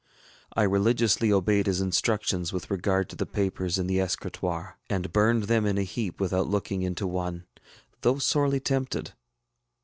I religiously obeyed his instructions with regard to the papers in the escritoire, and burned them in a heap without looking into one, though sorely tempted.